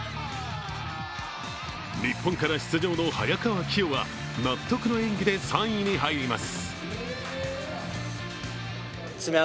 日本から出場の早川起生は納得の演技で３位に入ります。